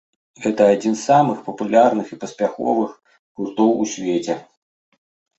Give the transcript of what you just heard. Гэта адзін з самых папулярных і паспяховых гуртоў у свеце.